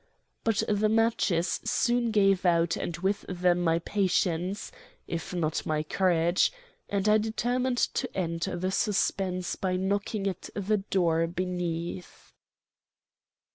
But the matches soon gave out and with them my patience, if not my courage, and I determined to end the suspense by knocking at the door beneath.